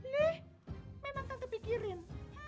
lih memang tante pikirin